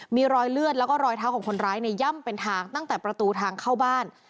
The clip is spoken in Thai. มีรอยเลือดแล้วก็รอยเท้าของคนร้ายในย่ำเป็นทางตั้งแต่ประตูทางเข้าบ้าน